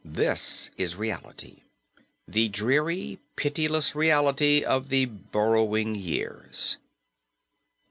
This is reality, the dreary, pitiless reality of the Burrowing Years."